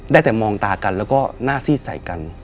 ได้แต่มองตากันแล้วก็หน้าซีดใส่กัน